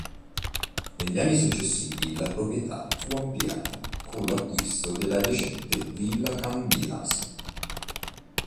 Negli anni successivi la proprietà fu ampliata con l'acquisto della adiacente villa Cambiaso.